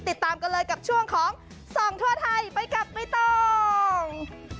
ติดตามกันเลยกับช่วงของส่องทั่วไทยไปกับไม่ต้อง